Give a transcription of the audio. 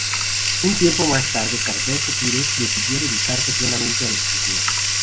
Un tiempo más tarde Cardoso Pires decidió dedicarse plenamente a la escritura.